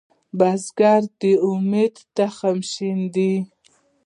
بزګر د امید تخم شیندي